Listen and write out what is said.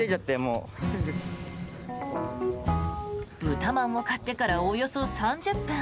豚まんを買ってからおよそ３０分。